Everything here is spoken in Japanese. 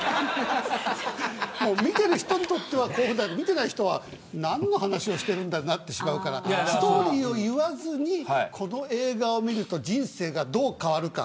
見てる人にとってはいいけど見てない人にとっては何の話だってなってしまうからストーリーを言わずにこの映画を見ると人生がどう変わるか。